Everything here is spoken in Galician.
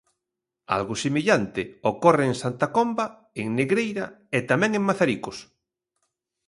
Algo semellante ocorre en Santa Comba, en Negreira e tamén en Mazaricos.